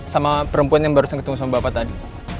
sama perempuan yang baru setengah ketemu sama bapak tadi